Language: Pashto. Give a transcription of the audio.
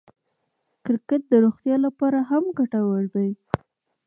کرکټ د روغتیا له پاره هم ګټور دئ.